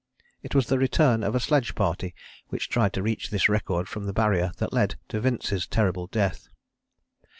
It was the return of a sledge party which tried to reach this record from the Barrier that led to Vince's terrible death.